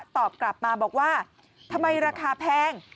ตอบกลับมาบอกว่าทำไมราคาแพง